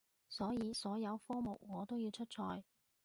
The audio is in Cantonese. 所以所有科目我都要出賽